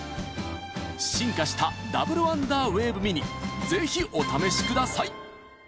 進化したダブルワンダーウェーブミニぜひお試しください！